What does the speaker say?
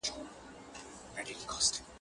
نوري شپږ میاشتي به د هغوی